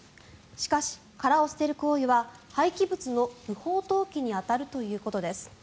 しかし、殻を捨てる行為は廃棄物の不法投棄に当たるということです。